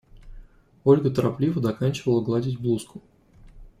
Ольга торопливо доканчивала гладить блузку.